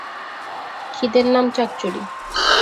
খিদের নাম চচ্চড়ি।